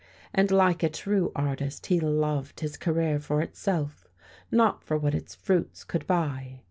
And like a true artist, he loved his career for itself not for what its fruits could buy.